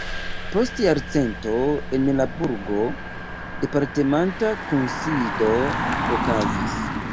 Post jarcento en la burgo departementa kunsido okazis.